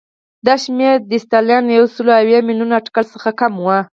دا شمېر د ستالین له یو سل اویا میلیونه اټکل څخه کم و